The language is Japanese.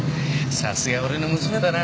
さすが俺の娘だな。